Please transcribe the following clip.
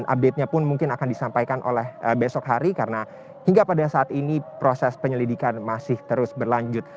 update nya pun mungkin akan disampaikan oleh besok hari karena hingga pada saat ini proses penyelidikan masih terus berlanjut